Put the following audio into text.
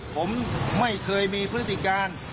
ผมไม่เคยมีพฤติการ